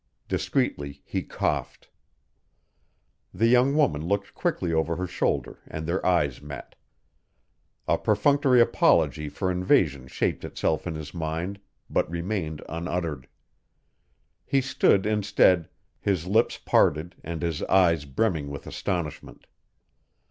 Discreetly he coughed. The young woman looked quickly over her shoulder and their eyes met. A perfunctory apology for invasion shaped itself in his mind, but remained unuttered. He stood instead, his lips parted and his eyes brimming with astonishment.